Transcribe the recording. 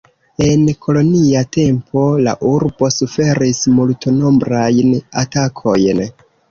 En kolonia tempo la urbo suferis multnombrajn atakojn.